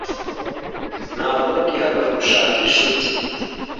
Ntabwo ndi hano gushaka inshuti.